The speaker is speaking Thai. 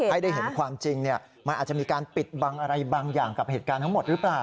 ให้ได้เห็นความจริงมันอาจจะมีการปิดบังอะไรบางอย่างกับเหตุการณ์ทั้งหมดหรือเปล่า